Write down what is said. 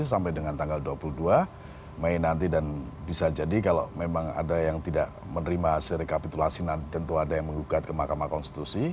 sampai dengan tanggal dua puluh dua mei nanti dan bisa jadi kalau memang ada yang tidak menerima hasil rekapitulasi tentu ada yang menggugat ke mahkamah konstitusi